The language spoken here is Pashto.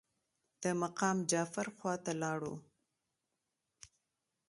د مقام جعفر خواته لاړو.